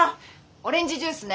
オレンジジュースね。